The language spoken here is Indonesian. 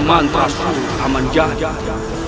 mantra suatu aman jahat